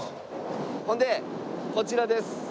ほんでこちらです。